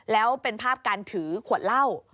แล้วเป็นภาพการถือขวดเหล้า